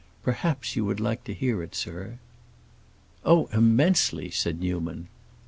Perhaps you would like to hear it, sir." "Oh, immensely," said Newman.